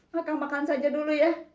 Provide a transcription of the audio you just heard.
makan makan saja dulu ya